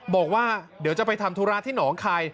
บอกว่าเดี๋ยวจะไปทำธุระที่หนองคาย